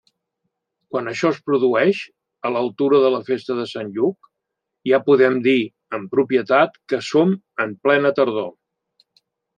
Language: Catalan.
Quan això es produeix, a l'altura de la festa de Sant Lluc, ja podem dir amb propietat que som en plena tardor.